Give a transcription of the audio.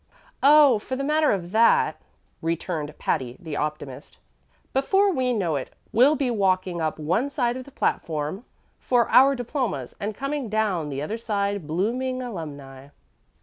"Oh, for the matter of that," returned Patty the optimist, "before we know it we'll be walking up one side of the platform for our diplomas and coming down the other side blooming alumnæ."